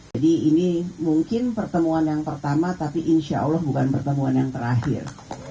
jadi ini mungkin pertemuan yang pertama tapi insya allah bukan pertemuan yang terakhir